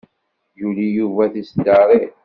Yuli Yuba tiseddaṛin.